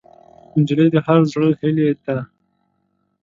نجلۍ د هر زړه هیلې ده.